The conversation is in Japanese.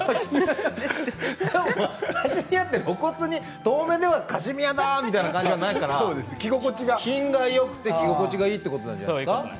いや、そんな露骨に遠目ではカシミヤだっていう感じはないから品がよくて着心地がいいってことじゃないですか。